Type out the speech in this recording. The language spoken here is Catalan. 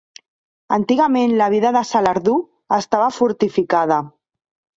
Antigament la vila de Salardú estava fortificada.